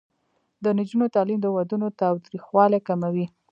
د نجونو تعلیم د ودونو تاوتریخوالي کموي.